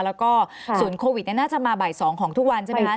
แล้วก็ศูนย์โควิดน่าจะมาบ่าย๒ของทุกวันใช่ไหมคะ